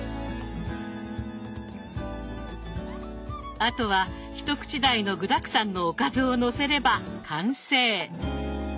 あとは一口大の具だくさんのおかずをのせれば完成。